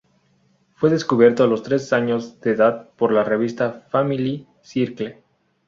Fue descubierto a los tres años de edad por la revista "Family Circle".